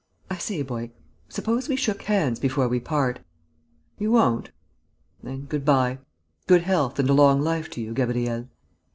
I say, boy ... suppose we shook hands before we part? You won't? Then good bye. Good health and a long life to you, Gabriel!..."